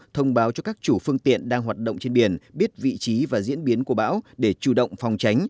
thông báo cho các chủ phương tiện đang hoạt động trên biển biết vị trí và diễn biến của bão để chủ động phòng tránh